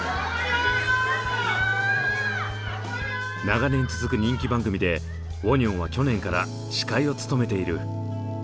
長年続く人気番組でウォニョンは去年から司会を務めている。